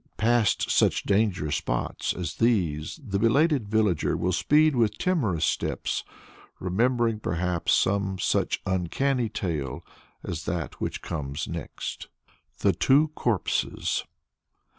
Past such dangerous spots as these the belated villager will speed with timorous steps, remembering, perhaps, some such uncanny tale as that which comes next. THE TWO CORPSES.